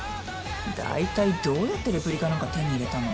大体どうやってレプリカなんか手に入れたの？